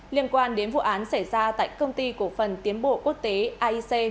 liên quan đến vụ án xảy ra tại công ty cổ phần tiến bộ quốc tế aic